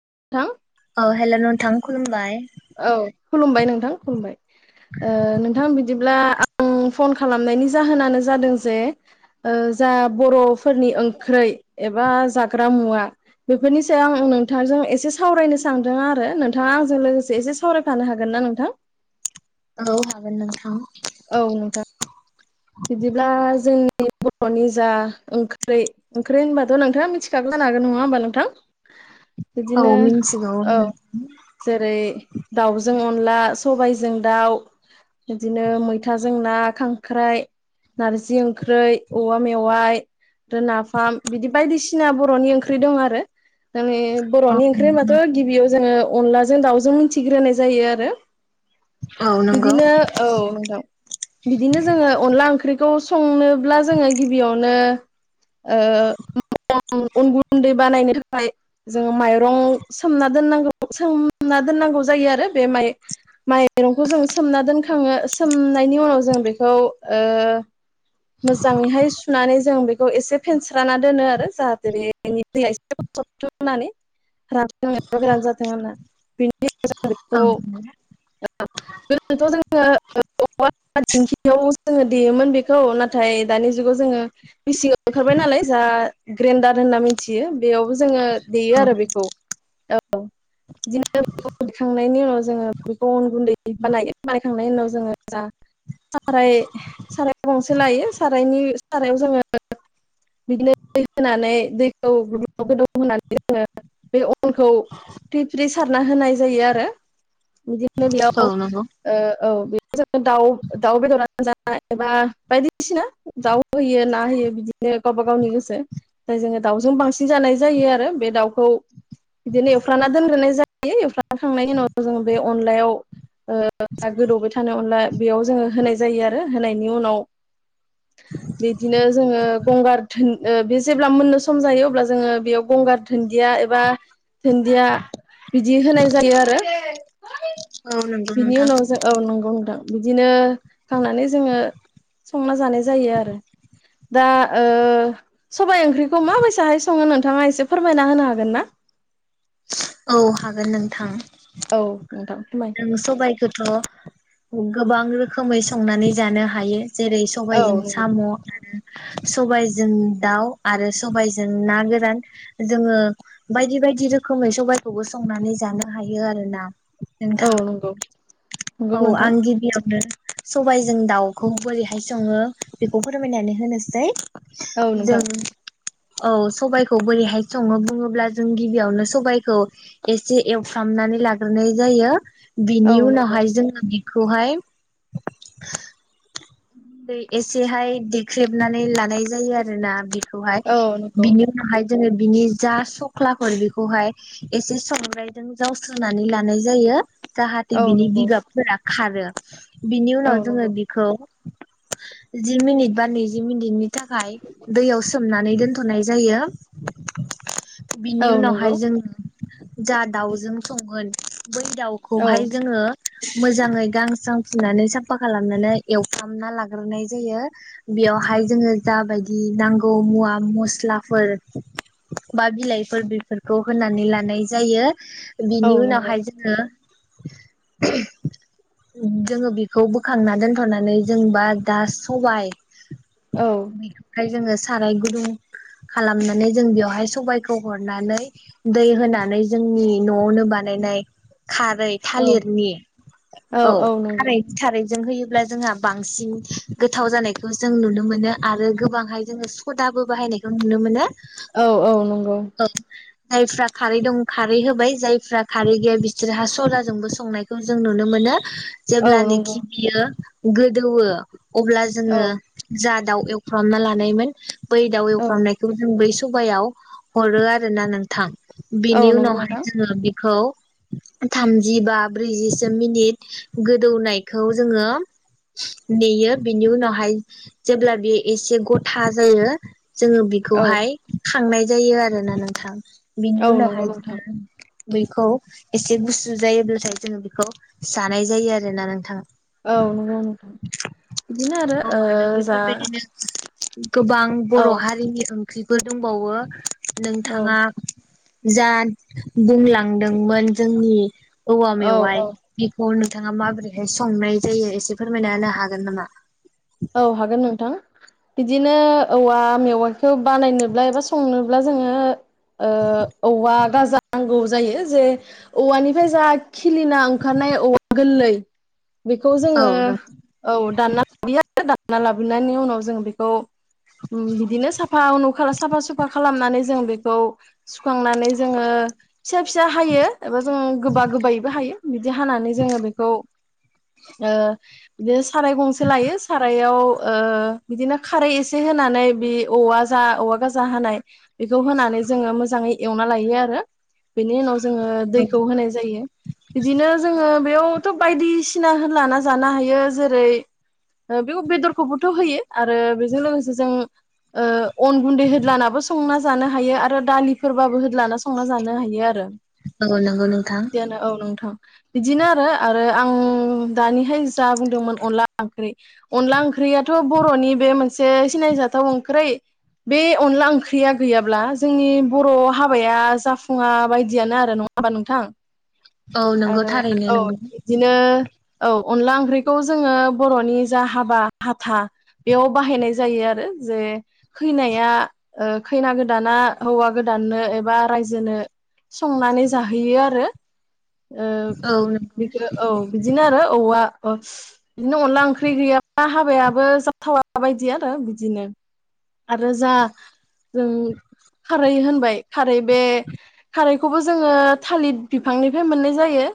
[inaudible] औ हेल' नोंथां खुलुमबाय औ खुलुमबाय नोंथां खुलुमबाय नोंथां ओ बिदिब्ला आं फन खालामनायनि जाहोनानो जादों जे ओ जा बर'फोरनि ओंख्रै एबा जाग्रा मुवा बेफोरनि सायाव आं नोंथांजों एसे सावरायनो सानदों आरो नोंथाङा आंजों लोगोसे एसे सावरायफानो हागोन ना नोंथां औ हागोन नोंथां औ नोंथां बिदिब्ला जोंनि बर'नि जा ओंख्रि ओंख्रि होनबाथ' नोंथाङा मिथिखागौ जानो हागोन नङा होमबा नोंथां औ बिदिनो मिन्थिगौ औ जेरै दाउजों अनला सबायजों दाउ बिदिनो मैथाजों ना खांख्राइ नारजि ओंख्रै औवा मेवाइ नाफाम बिदि बायदिसिना बर'नि ओंख्रि दं आरो नोंनि औ बर'नि ओंख्रि होनबाथ' गिबियाव जोङो अनलाजों दाउजों मिथिग्रोनाय जायो आरो औ नंगौ बिदिनो औ नोंथां बिदिनो जोङो ओंख्रिखौ संनोब्ला जोङो गिबियावनो ओ अन गुन्दै बानायनो थाखाय फाय जोङो माइरं सोमना दोननांगौ सोमना दोननांगौ जायो आरो बे माइ माइरंखौ जों सोमना दोनखाङो सोमनायनि उनाव जों बेखौ ओ मोजाङैहाय सुनानै जों बे खौ एसे फेनस्रा दोनो आरो जाहाथे बेनि दैआ [unintelligible] गनानै रानथों एबा गोरान जाथों होन्ना बेनि जों औ बेखौ ओरैनोथ' जोङो [unintelligible] दिंखियाव जोङो देयोमोन बेखौ खौ नाथाय दानि जुगाव जोङो। मिसिं ओंखारबाय नालाय जा ग्रेन्डार होनना मिथियो। बेयावबो जोङो देयो आरो औ बेखौ औ बिदिनो बे दखांनायनि उनाव जोङो बेखौ अन गुन्दै बानाय बानायखांनायनि उनाव जोङो जा साराय साराय गंसे लायो। सारायनि सारायाव जोङो बिदिनो दै होनानै दैखौ गो गोदौ होनानै जोङो बे अनखौ फ्रि फ्रि सारना होनाय जायो आरो बिदि नो बेयाव ओ नंगौ औ बे जों दाउ दाउ बेदरानो जा एबा बायदिसिना दाउ होयो ना होयो बिदि बिदिनो गावबा गावनि गोसो। फ्राय जोङो दाउजों बांसिन जानाय जायो आरो बे दाउखौ बिदिनो एवफ्राना दोनग्रोनाय जायो। एवफ्राना खांनायनि उनाव जोङो बे अनलायाव जा गोदौबाय थानाय अनला बेयाव जोङो होनाय जायो आरो होनायनि उनाव बिदिनो जोङो गंगार धोन ओ बे जेब्ला मोननो सम जायो अब्ला जोङो बेयाव गंगार धोनन्दिया एबा धोन्दिया बिदि होनाय जायो आरो। औ नंगौ बिनि नोंथां उनाव जों औ नंगौ नोंथां। बिदिनो खांनानै जोङो संना जानाय जायो आरो दा। ओ सबाइ ओंख्रिखौ मा बासाहाय सङो नोंथाङा एसे फोरमायना होनो हागोन ना? औ हागोन नोंथां। औ नोंथां फोरमाय जों सबाइखौथ' गोबां रोखोमै संनानै जानो हायो। जेरै औ सबायजों नंगौ साम' आरो सबाइजों दाउ आरो सबाइजों ना गोरान जोङो बायदि बायदि रोखोमै स खौबो संनानै जानो हायो आरोना। औ नोंथां नंगौ। नंगौ औ नोंथां आं गिबियावनो सबायाइजों दाउखौ बोरैहाय सङो बेखौ फोरमायनानै होनोसै औ जों नोंथां औ सबायखौ बोरैहाय सङो बुङोब्ला जों गिबियावनो सबाइखौ एसे एवफ्रामनानै लाग्रोनाय जायो। औ बिनियाव नंगौ उनाहाय बेखौहाय दै एसेहाय देख्रेबनानै लानाय जायो आरोना। हाय औ नंगौ बिनि उाहाय जोङो बिनि जा सख्लाफोर बेखौहाय एसे संग्रायजों जावस्रोनानै लानाय जायो। जाहााथे औ बिनि नंगौ बिबागाबफोरा खारो बिनि औ उनाव नंगौ जोङो बिखौ जि मिनिट बा नैजि मिनिटनि थाखाय दैयावो सोम नानै दोनथ'नाय जायो। बिनि औ उनावहाय नंगौ जोङो जा दाउजों संगोन बै औ दाउखौहाय जोङो मोजाङै गांसां फुनानै साफा खालामनानै एवफाम खालामना लाग्रोनाय जायो बेयावहाय जोङो जाबायदि नांगौ मुवा मस्लाफोर बा बिलाइफोर बेफोरखौ होनानै लानाय जायो। औ बिनि नंगौ उनावहाय जोङो जोङो बेखौ बोखांना दोनथ'नानै जोंबा दा सबाय औ बेखाय जोङो साराय गुदुं खालामनानै जों बेवहाय सबायखौ हरनानै दै होनानै जोंनि न'आवनो बानायनाय खारै औ थालिरनि औ खारै थारै जों होयोब्ला जोंहा बांसिन गोथाव जानायखौ जों नुनो मोनो आरो गोबांहाय जोङो सदाबो बाहायनायखौ नुनो मोनो। औ औ नंगौ। जायफ्रा खारै दं खारै होबाय जायफ्रा खारै गैया बिसोरहा सदाजोंबो संनायखौ जों नुनो मोनो। औ नंगौ जेब्लानोाखि बियो गोदोवो अब्ला औ जोङो जा दाउ एवफ्रामना लानायैमोन बै दा औ एवफामनायखौ जों बै सुबायाव हरो आरो ना नोंथां औ बिनि नंगौ उनावहाय नोंथां जोङो खौ थामजि बा ब्रैजिसो मिनिट गोदौनायखौ जोङो नेयो बिनि उनावहाय जेब्ला बे एसे गथा जायो जोङो औ बिखौहाय थांनाय जायोआरो ना नोंथां बिन औ नंगौ नोंथां उनावहाय बैखौ एसे गुसु जायोब्लाथाय जोङो बेखौ जानाय जायो आरोना नोंथां औ उम बिदिनो आरो औ ओ जा बेफोरबायदिनो [inaudible] गोबां औ बर' हारिनि ओं ख्रिफोर दंबावो औ नोंथाङा जाद बुंलांदोंमोन जोंनि औवा औ औ मेवाइ बिखौ नों नोंथाङा माबोरैहाय संनाय जायो एसे फोरमायना होनो हागोन नामा? औ हागोन नोंथां बिदिनो औवा मेवाइखौ बानायनोब्ला एबा संनोब्ला जोङो ओ औवा गाजा नांगौ जायो जे औवानिफ्राय जा खि लिना ओंखारनाय औवा गोरलै [inaudible] बेखौ औ जोङो नों औ दानना दानना लाबोननायनि उनाव जों बेखौ उम बिदिनो साफा उनु खाला साफा सुफा खालामनानै जों बेखौ सुखांनानै जोङो फिसा फिसा हायो एबा जों गोबा गोबायैबो हायो बिदि हानानै जोङो बेखौ ओ बिदिनो साराय गंसे लायो सारायाव ओ बिदिनो खारै एसे होनानै बि औवा जा औवा गाजा हानाय बेखौ होनानै जोङो मोजाङै एवना लायो आरो। बेनि उनाव जोङो दैखौ होनाय जायो बिदिनो जोङो बेयाव थ' बायदिसिना लाना जानो हायो जेरै ओ बेयाव बेदरखौबोथ' होयो आरो बेजों लोगोसे जों ओ अन गुन्दै होदलानाबो संना जानो हायो आरो दालिफोरबाबो होदलाना संना जानो हायो आरो। औ नंगौ नोंथां। जियानो औ नोंथां बिदिनो आरो आरो आं दानिहाय जा बुंदोंमोन अनला ओंख्रि अनला ओंख्रिया थ' बर'नि बे मोनसे सिनायजाथाव ओंख्रि बे अनला ओंख्रिया गैयाब्ला जोंनि बर' हाबाया जाफुङा बायदियानो आरो नङा होमबा नोंथां? औ नंगौ आरो थारैनो औ नंगौ बिदिनो औ अनला ओंख्रिखौ जोङो बर'नि जा हाबा हाथा बेयाव बाहायनाय जायो आरो जे खैनाया ओ खैना गोदाना हौवा गोदाननो एबा रायजोनो संनानै जाहोयो आरो। ओ औ नंगौ बेखौ औ बिदिनो आरो औवा अ बिदिनो अनला ओंख्रि गैयाबा हाबायाबो जाथावा बायदि आरो बिदिनो आरो जा जों खारै होनबाय खारै बे खारैखौबो जोङो थालिर बिफांनि फ्राय मोननाय जायो।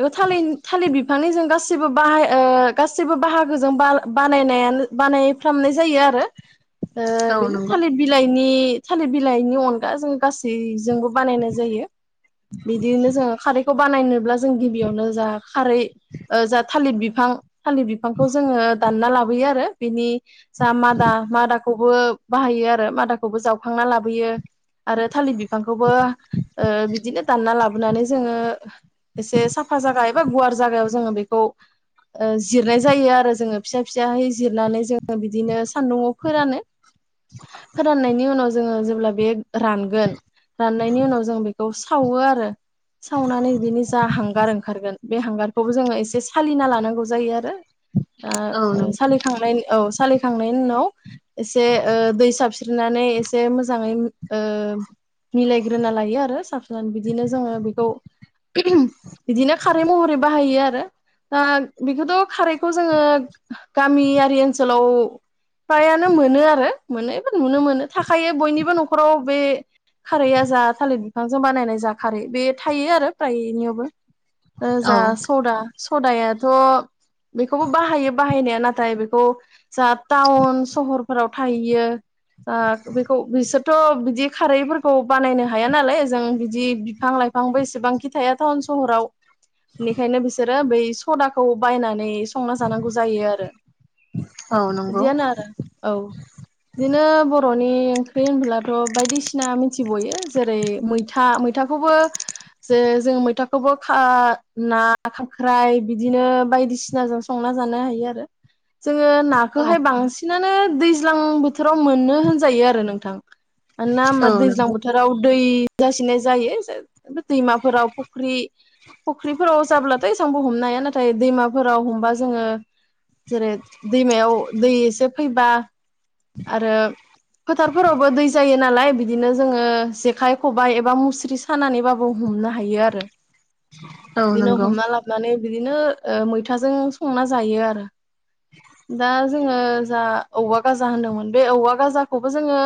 बेखौ थालिन थालिर बि फांनिजों गासिबो बाहाय ओ गासिबो बाहागोजों बा बानायनायानो बानायफ्रामनाय जायो आरो। ओ औ बिनि नंगौ थालिर बिलाइनि थालिर बिलाइनि अनगा जों गासैजोंबो बानायनाय जायो बिदिनो जों खारैखौ बानायनोब्ला जों गिबियावनो जा खारै जा थालिर बिफां। थालि बिफांखौ जोङो दानना लाब बोयो आरो बिनि। जा मादा-मादा खौबो बाहायो आरो मादाखौबो जावखांना लाबोयो। आरो थालिर बिफांखौबो ओ बिदिनो दानना लाबोनानै जो ओ एसे साफा जागा एबा गुवार जागायाव जोङो बेखौ। ओ जिरनाय जायो आरो जोङो फिसा फिसाहै जिरनानै जोङो बिदिनो सान्दुंआव फोरानो। फोराननायनि उनाव जो जोङो जेब्ला बे रानगोन। राननायनि उनाव जों बे खौ सावो आरो। सावनानै बिनि जा हांगार ओंखारगोन बे हांगारखौबो जोङो एसे सालिना लानांगौ जायो आरो। दा ओं सालिखांनायनि औ सालि खांनायनि उनाव। एसे ओ दै साब नानै एसे मोजाङै। ओ मिलायग्रोना लायो आरो साफ बिदिनो जोङो बि खौ। बिदिनो खारै महरै बाहायो आरो। रो ओ बेखौथ' खारैखौ जोङो गामियारि ओनसोलाव फ्रायानो मोनो आरो मोनो एबा नुनो मोनो थाखायायो बयनिबो न'खराव बे खारैया जा थालिर बिफांजों बानायनाय जा खारै बे थायो आरो फ्राय नियावबो। ओ जा सदा। सदायाथ' बेखौबो बाहायो बाहायनाया नाथाय बेखौ जा टाउन सहरफोराव थाहैयो ओ बेखौ बिसोरथ' बिदि खारैफोरखौ बानायनो हाया नालाय जों बिदि बिफां लाइ फांबो एसेबांखि थाया टाउन सहराव बेनिखायनो बिसोरो बै सदाखौ बायनानै संना जानांगौ जायो आरो। औ नंगौ बिदिआनो आरो औ। बिदिनो बर'नि ओंख्रि होनबोलाथ' बायदिसिना मिथिबयो जेरै मैथा मैथाखौबो जे जों मैथाखौबो खा ना खांख्राइ बिदिनो बायदिसिनाजों संना जानो हायो आरो। जोङो औ नाखोहाय बांसिनानो दैज ज्लां बोथोराव मोनो होनजायो आरो नोंथां। मानोना औ नंगौ औ होनबा दैज्लां नंगौ बोथोराव दै जासिनाय जायो जा दैमाफोराव फख्रि फख्रिफोराव जाब्लाथ' एसांबो हमनो हाया नाथाय दैमाफोराव हमबा जोङो जेरै दैमायाव दै एसे फैबा आरो फोथारफोरावबो दै जायो नालाय बिदिनो जोङो जेखाइ खबाइ एबा मुस्रि सानानैबाबो औ हमनो हायो आरो औ बिदिनो नंगौ हमना लाबनानै बिदिनो मैथाजों संना जायो आरो दा जोङो जा औवा गाजा होनदोंमोन बे औवा गाजाखौबो जोङो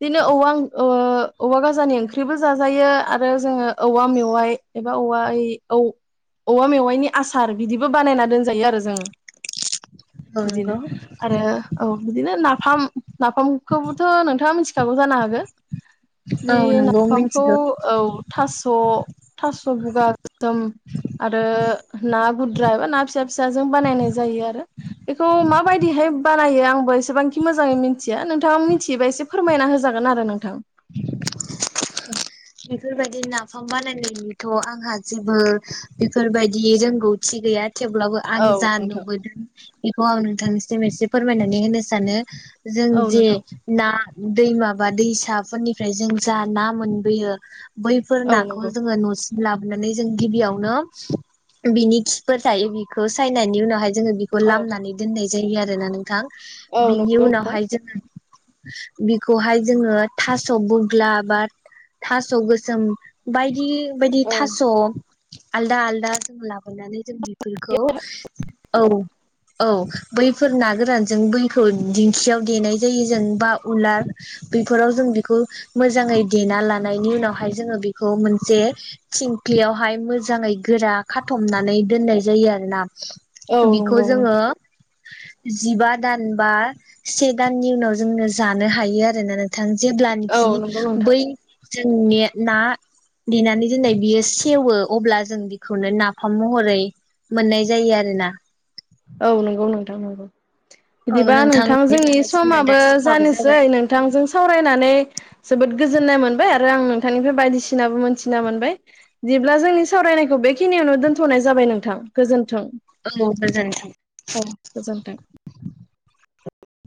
बिदिनो औवा ओ औवागाजानि ओंख्रिबो जाजायो आरो जोङो औवा मेवाइ एबा औव ए औ औवा मेवाइनि आसार बिदिबो बानायना दोनजायो आरो जोङो औ बिदिनो नंगौ आरो औ बिदिनो ना फाम नाफामखौबोथ' नोंथाङा मिथिखागौ जानो हागो औ नंगौ मोनथिगौ औ थास'' थास'बुगा गोसोम आरो ना गुद्रा एबा ना फिसा फिसाजों बानायनाय जायो आरो बेखौ माबायदिहाय बानायो आंबो एसेबांखि मोजाङै मिथिया नोंथांआ मिथियोबा एसे फोरमायना होजागोन आरो नोंथां बेफोरबायदि नाफाम बानायनायनिथ' आंहा जेबो बेफोरबायदि रोंगौथि गैया थेवब्लाबो आं औ जा नोंथां नुबोदों बेखौ आं नोंथांनिसम एसे फोरमायनानै होनो सानो जों औ जे नोंथां ना दै माबा दैसाफोरनिफ्राय जों जा ना मोनबोयो बैफोर औ नाखौ नंगौ जोङो न'सि लाबोनानै जों गिबियावनो बिनि खिफोर थायो बेखौ सायनायनि उनावहाय जोङो बेखौ औ लामनानै दोननाय जायो जै आरो नानै नोंथां औ बिनि उनावहाय जोङो बिखौहाय जोङो थास' बुग्ला बा थास' गोसोम बायदि बायदि थास' औ आलदा आलदा अननानै जों बेफोरखौ औ औ बैफोर ना गोरानजों बैखौ दिंखियाव देनाय जायो जों बा उलार बेैफोराव जों बेखौ मोजाङै देना ला नायनि उनावहाय जोङो बेखौ मोनसे थिंख्लियावहाय मोजाङै गोरा खाथमनानै दोननाय जायो आरो ना। औ बिखौ नंगौ जोङो नोंथां जिबा दान बा से दाननि उनाव जोंङो जानो हायो आरोना नोंथां औ जेब्लानोखि नंगौ नोंथां बै जोंनि ना देनानै दोनया बियो सेवो अब्ला जों बेखौनो नाफाम महरै मोननाय जायो आरोना। औ नोंगौ नोंथां नोंगौ औ बिदिबा नोंथां जोंनि बिदिब्ला जोंना दा समाबो समाबो जानोसै जाबाय नोंथांजों सावरायनानै जोबोद गोजोननाय मोनबाय आरो आं नोंथांनिफ्राय बायदिसिनाबो मोनथिना मोनबाय। बिदिब्ला जोंनि सावरायनायखौ बेखिनियावनो दोनथ'नाय जाबाय नोंथां गोजोन्थों। औ गोजोन्थों औ गोजोन्थों